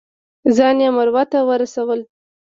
ځان یې مروه ته ورسولو.